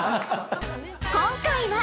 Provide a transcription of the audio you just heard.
今回は